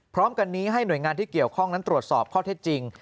พร้อมกันนี้ให้หน่วยงานที่เกี่ยวข้องนั้นตรวจสอบข้อเท็จจริง